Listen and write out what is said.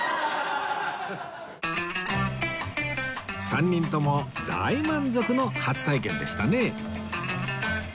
３人とも大満足の初体験でしたね